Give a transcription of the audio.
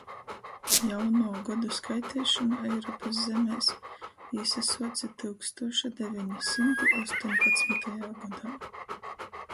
Jaunuo godu skaiteišona Eiropys zemēs īsasuoce tyukstūša deveni symti ostoņpadsmytajā godā.